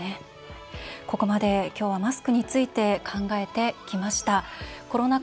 ここまでマスクについて考えてきました。